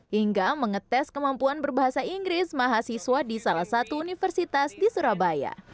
hingga mengetes kemampuan berbahasa inggris mahasiswa di salah satu universitas di surabaya